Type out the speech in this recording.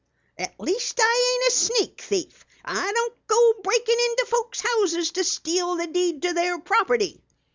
"At least I ain't a sneak thief! I don't go breakin' into folks' houses to steal the deed to their property!"